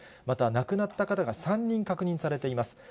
また亡くなった方が３人確認されています。